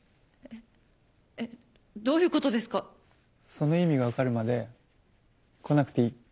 その意味が分かるまで来なくていい。